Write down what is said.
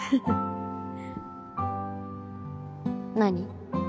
何？